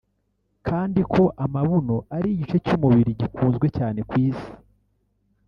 kandi ko amabuno ari igice cy’umubiri gikunzwe cyane ku Isi